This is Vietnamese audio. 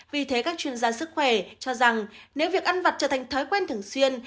vì thế các chuyên gia sức khỏe cho rằng nếu việc ăn vặt trở thành thói quen thường xuyên